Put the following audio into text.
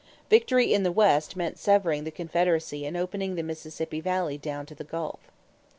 Victory in the West meant severing the Confederacy and opening the Mississippi Valley down to the Gulf.